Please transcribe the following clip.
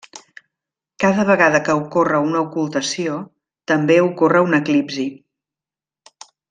Cada vegada que ocorre una ocultació, també ocorre un eclipsi.